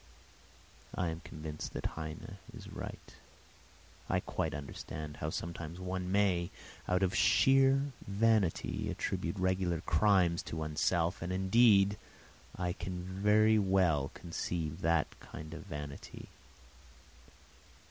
I am convinced that Heine is right; I quite understand how sometimes one may, out of sheer vanity, attribute regular crimes to oneself, and indeed I can very well conceive that kind of vanity.